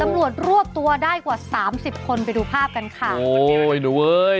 ตำรวจรวบตัวได้กว่าสามสิบคนไปดูภาพกันค่ะโอ้ยหนูเอ้ย